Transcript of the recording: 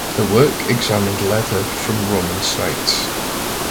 The work examined leather from Roman sites.